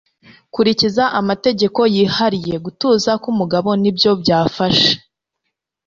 kurikiza amategeko yihariye. gutuza k'umugabo nibyo byafashe